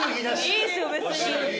いいですよ別に。